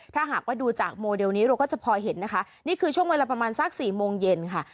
ถ้าหากว่าดูจากโมเดลนี้เราก็จะพอเห็นนะคะนี่คือช่วงเวลาประมาณสัก๔โมงเย็นค่ะ